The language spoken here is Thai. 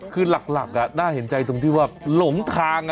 คือหลักน่าเห็นใจตรงที่ว่าหลงทาง